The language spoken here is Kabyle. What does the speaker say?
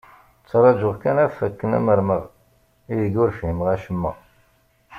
Ttraǧuɣ kan ad fakken amermeɣ i deg ur fhimeɣ acemma.